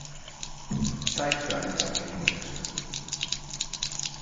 Zeit für einen Tapetenwechsel!